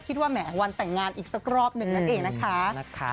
เพียบคิดว่าแหมวันแต่งงานอีกสักรอบหนึ่งนั่นเองนะคะ